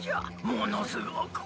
ものすごく悪い。